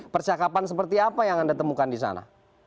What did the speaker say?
percakapan seperti apa yang anda temukan di sana